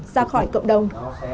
ra khỏi cộng đồng